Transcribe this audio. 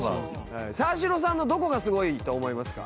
沢城さんのどこがすごいと思いますか？